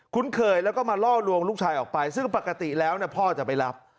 เคยแล้วก็มาล่อลวงลูกชายออกไปซึ่งปกติแล้วพ่อจะไปรับ